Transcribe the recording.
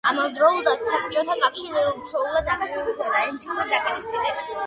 ამავდროულად საბჭოთა კავშირი ფარულად აღვივებდა ეთნიკური დაპირისპირებას.